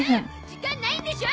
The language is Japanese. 時間ないんでしょ！